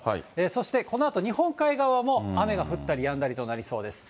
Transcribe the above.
そしてこのあと、日本海側も雨が降ったりやんだりとなりそうです。